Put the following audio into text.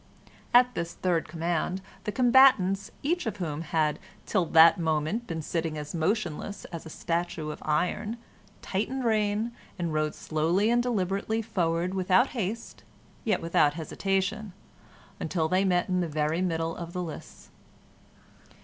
At this third command the combatants, each of whom had till that moment been sitting as motionless as a statue of iron, tightened rein, and rode slowly and deliberately forward without haste, yet without hesitation, until they met in the very middle of the lists.